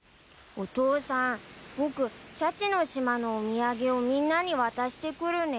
お父さん僕シャチの島のお土産をみんなに渡してくるね。